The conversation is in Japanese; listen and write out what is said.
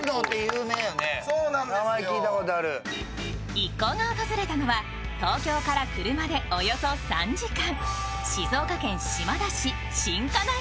一行が訪れたのは東京から車でおよそ３時間。